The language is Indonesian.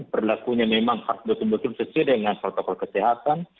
perilakunya memang harus berbukit bukit sesuai dengan protokol kesehatan